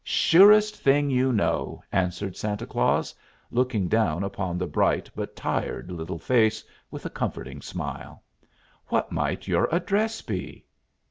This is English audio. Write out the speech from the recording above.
"Surest thing you know!" answered Santa Claus, looking down upon the bright but tired little face with a comforting smile. "What might your address be?"